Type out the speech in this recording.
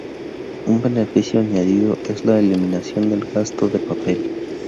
Un beneficio añadido es la eliminación del gasto de papel.